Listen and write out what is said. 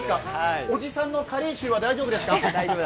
おじさんの加齢臭は大丈夫ですか？